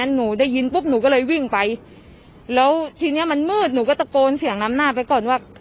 หนูได้ยินปุ๊บหนูก็เลยวิ่งไปแล้วทีเนี้ยมันมืดหนูก็ตะโกนเสียงนำหน้าไปก่อนว่า